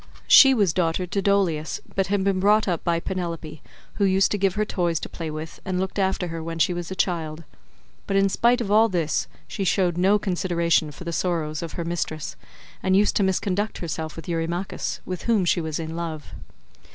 She was daughter to Dolius, but had been brought up by Penelope, who used to give her toys to play with, and looked after her when she was a child; but in spite of all this she showed no consideration for the sorrows of her mistress, and used to misconduct herself with Eurymachus, with whom she was in love.